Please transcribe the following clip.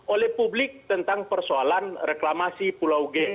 oleh publik tentang persoalan reklamasi pulau g